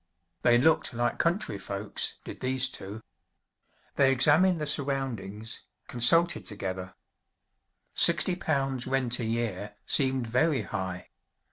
They looked like country folks, did these two. They examined the surroundings, consulted together sixty pounds rent a year seemed very high!